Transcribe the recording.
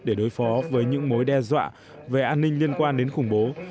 để đối phó với những mối đe dọa về an ninh liên quan đến khủng bố